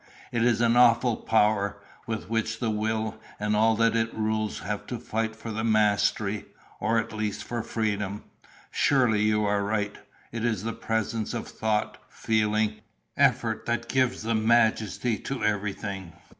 It is an awful power, with which the will and all that it rules have to fight for the mastery, or at least for freedom." "Surely you are right. It is the presence of thought, feeling, effort that gives the majesty to everything.